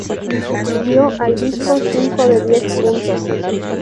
Dio al disco cinco de diez puntos.